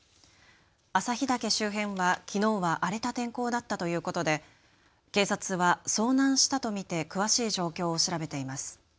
朝日岳周辺はきのうは荒れた天候だったということで警察は遭難したと見て詳しい状況を調べています。